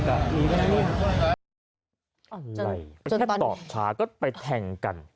ใช่แค่ตอบช้าก็ไปแทงกัน